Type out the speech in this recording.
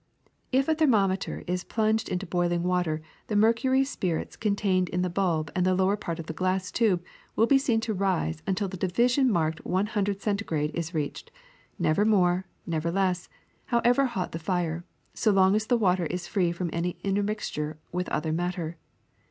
If a thermometer is plunged into boiling water the mercury or spirits contained in the bulb and the lower part of the glass tube will be seen to rise until the division marked one hundred (centi grade) is reached — never more, never less, however hot the fire, so long as the water is free from any intermixture of other matter.